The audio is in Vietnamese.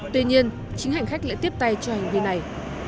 tuy nhiên chính hành khách lại tiếp tay cho hành vi này